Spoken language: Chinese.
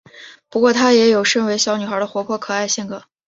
不过她也有身为小女孩的活泼可爱性格。